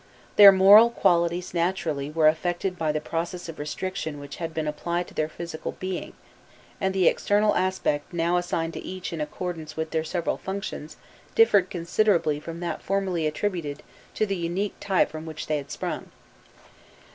Their moral qualities naturally were affected by the process of restriction which had been applied to their physical being, and the external aspect now assigned to each in accordance with their several functions differed considerably from that formerly attributed to the unique type from which they had sprung.